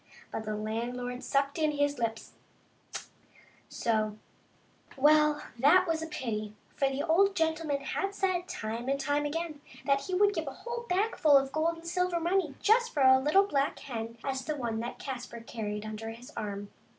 But the landlord sucked in his lips —" tsch "— so ! Well, that was a pity, for the little old gentleman had said, time and time again, that he would give a whole bagful of gold and silver money for just such a little black hen as the one that Caspar carried under his arm.